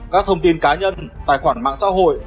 các thông tin cá nhân tài khoản mạng xã hội